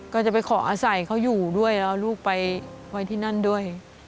ก็จะไปขออาศัยเขาอยู่ด้วยแล้วเอาลูกไปไว้ที่นั่นด้วย